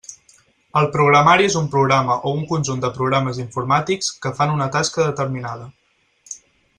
El programari és un programa o un conjunt de programes informàtics que fan una tasca determinada.